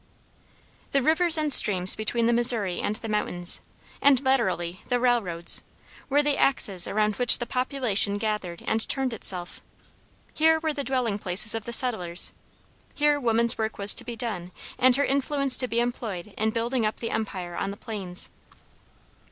The rivers and streams between the Missouri and the mountains, and latterly the railroads, were the axes around which population gathered and turned itself. Here were the dwelling places of the settlers, here woman's work was to be done and her influence to be employed in building up the empire on the plains.